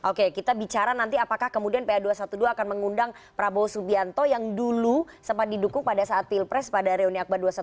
oke kita bicara nanti apakah kemudian pa dua ratus dua belas akan mengundang prabowo subianto yang dulu sempat didukung pada saat pilpres pada reuni akbar dua ratus dua